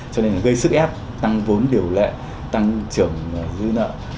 cho nên gây sức ép tăng vốn điều lệ tăng trưởng dư nợ